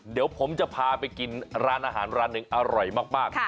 เดี๋ยวผมจะพาไปกินร้านอาหารร้านหนึ่งอร่อยมาก